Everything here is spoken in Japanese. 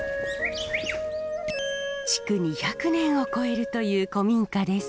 築２００年を超えるという古民家です。